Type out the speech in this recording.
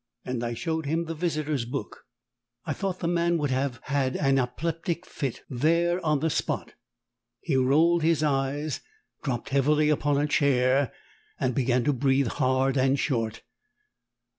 And I showed him the Visitors' Book. I thought the man would have had an apoplectic fit there on the spot. He rolled his eyes, dropped heavily upon a chair, and began to breathe hard and short.